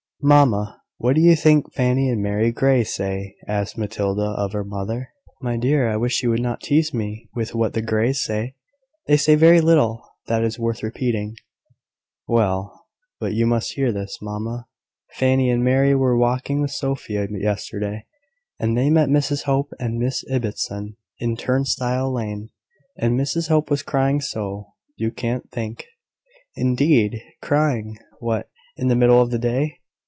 "Mamma, what do you think Fanny and Mary Grey say?" asked Matilda of her mother. "My dear, I wish you would not tease me with what the Greys say. They say very little that is worth repeating." "Well, but you must hear this, mamma. Fanny and Mary were walking with Sophia yesterday, and they met Mrs Hope and Miss Ibbotson in Turn stile Lane; and Mrs Hope was crying so, you can't think." "Indeed! Crying! What, in the middle of the day?"